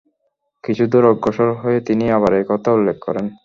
কিছুদূর অগ্রসর হয়ে তিনি আবার এ কথা উল্লেখ করেন।